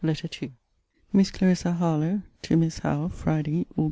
LETTER II MISS CLARISSA HARLOWE, TO MISS HOWE FRIDAY, AUG.